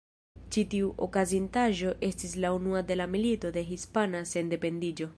Ĉi tiu okazintaĵo estis la unua de la Milito de Hispana Sendependiĝo.